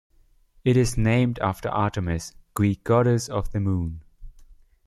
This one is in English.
It is named after Artemis, Greek goddess of the moon.